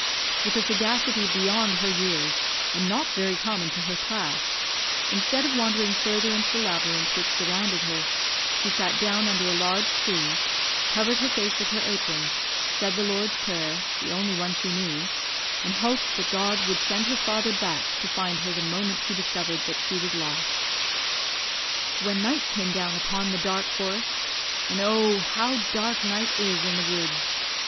"With a sagacity beyond her years and not very common to her class, instead of wandering further into the labyrinth which surrounded her, she sat down under a large tree, covered her face with her apron, said the Lord's Prayer the only one she knew and hoped that God would send her father back to find her the moment he discovered that she was lost. "When night came down upon the dark forest (and oh how dark night is in the woods!)